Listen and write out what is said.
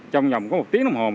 trong vòng có một tiếng đồng hồ